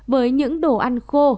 với những đồ ăn khô